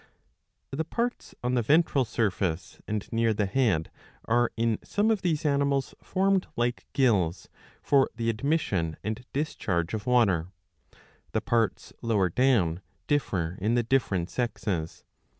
^ The parts on the ventral surface and near the head are in some of these animals formed like gills, for the admission and discharge of water. The parts lower down differ in the different sexes.